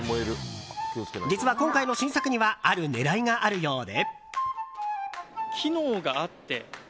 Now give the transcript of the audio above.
実は、今回の新作にはある狙いがあるようで。